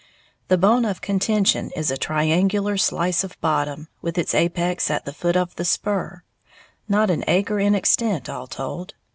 The bone of contention is a triangular slice of bottom, with its apex at the foot of the spur, not an acre in extent, all told.